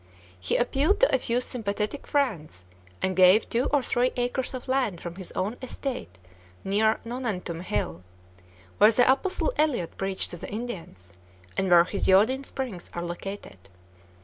He appealed to a few sympathetic friends and gave two or three acres of land from his own estate, near "Nonantum Hill," where the Apostle Eliot preached to the Indians, and where his iodine springs are located.